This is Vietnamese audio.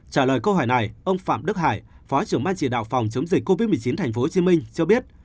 trả lời câu hỏi này ông phạm đức hải phó trưởng ban chỉ đạo phòng chống dịch covid một mươi chín thành phố hồ chí minh cho biết